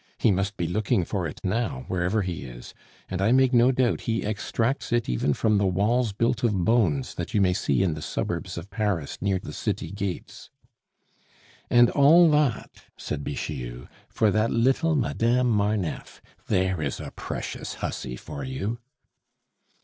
He must be looking for it now, wherever he is, and I make no doubt he extracts it even from the walls built of bones that you may see in the suburbs of Paris near the city gates " "And all that," said Bixiou, "for that little Madame Marneffe! There is a precious hussy for you!"